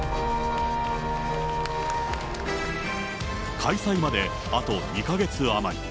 開催まであと２か月余り。